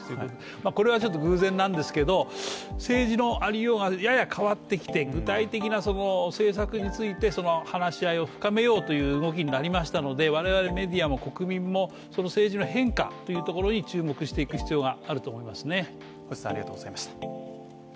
これはちょっと偶然なんですけど、政治のありようが、やや変わってきて具体的な政策について話し合いを深めようという動きになりましたので我々メディアも国民もその政治の変化というところに注目していく必要があると思いますね。